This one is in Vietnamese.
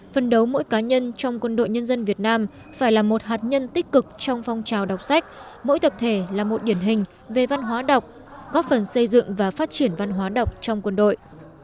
phần đấu mỗi cá nhân trong quân đội nhân dân việt nam phải là một hạt nhân tích cực trong phong trào đọc sách mỗi tập thể là một điển hình về văn hóa đọc góp phần xây dựng và phát triển văn hóa đọc trong quân đội